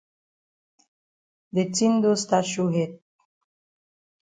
De tin don stat show head.